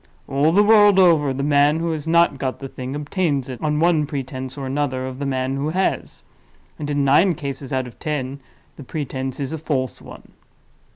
All the world over, the man who has not got the thing, obtains it, on one pretense or another, of the man who has—and, in nine cases out of ten, the pretense is a false one.